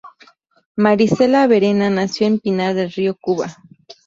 Marisela Verena nació en Pinar del Río, Cuba.